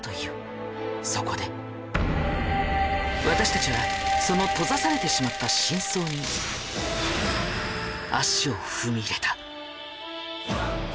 私たちはその閉ざされてしまった真相に足を踏み入れた。